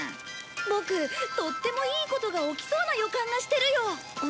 ボクとってもいいことが起きそうな予感がしてるよ！